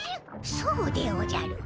そうでおじゃる。